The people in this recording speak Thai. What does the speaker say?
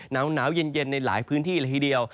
หนาวเย็นในหลายพื้นที่ละทีเดียว